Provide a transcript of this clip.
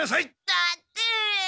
だって。